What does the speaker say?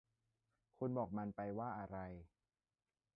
คุณบอกมันไปว่าอะไร